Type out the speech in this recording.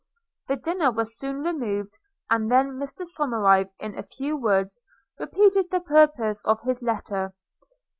The dinner was soon removed; and then Mr Somerive, in a few words, repeated the purport of his letter.